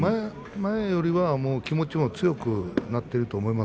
前よりは強くなっていると思います。